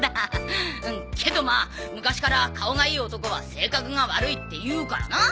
けどまあ昔から顔がいい男は性格が悪いっていうからな。